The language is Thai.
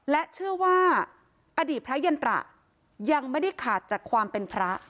และเชื่อว่าอดีตพระยันตระยังไม่ได้ขาดจากความเป็นพระ